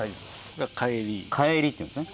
「かえり」っていうんですね